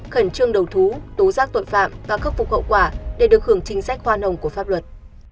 khẩn trương đầu thú tố giác tội phạm và khắc phục hậu quả để được hưởng chính sách khoa nồng của pháp luật